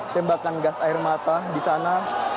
tembakan gas air mata di sana